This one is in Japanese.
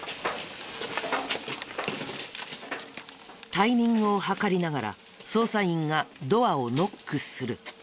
タイミングを計りながら捜査員がドアをノックする。